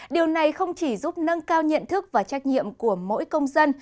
điều này không chỉ giúp nâng cao nhận thức và trách nhiệm của mỗi công dân